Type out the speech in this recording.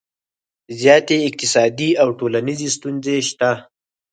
زیاتې اقتصادي او ټولنیزې ستونزې شته